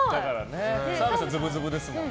澤部さん、ずぶずぶですもんね。